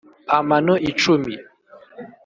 amano icumi